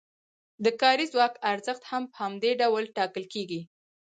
د کاري ځواک ارزښت هم په همدې ډول ټاکل کیږي.